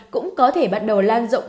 cũng có thể bắt đầu lan rộng